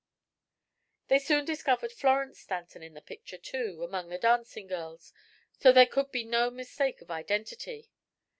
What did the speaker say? They soon discovered Florence Stanton in the picture, too, among the dancing girls; so there could be no mistake of identity.